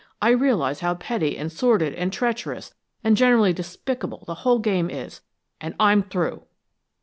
I realize how petty and sordid and treacherous and generally despicable the whole game is, and I'm through!"